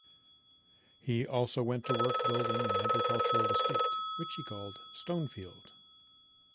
He also went to work building an agricultural estate, which he called Stonefield.